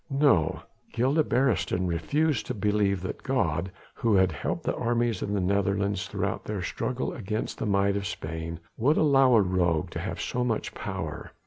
No! Gilda Beresteyn refused to believe that God who had helped the armies of the Netherlands throughout their struggle against the might of Spain would allow a rogue to have so much power.